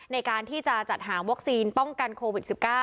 ในการที่จะจัดหาวัคซีนป้องกันโควิด๑๙